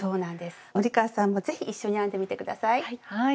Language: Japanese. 森川さんも是非一緒に編んでみて下さい。